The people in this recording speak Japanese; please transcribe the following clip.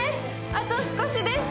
あと少しです！